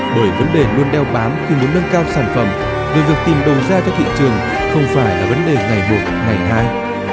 bởi vấn đề luôn đeo bám khi muốn nâng cao sản phẩm vì việc tìm đồng ra cho thị trường không phải là vấn đề ngày một ngày hai